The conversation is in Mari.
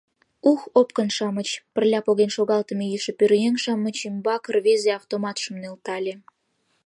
«Ух-х, опкын-шамыч!..» — пырля поген шогалтыме йӱшӧ пӧръеҥ-шамыч ӱмбак рвезе автоматшым нӧлтале.